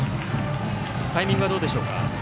タイミングはどうでしょうか。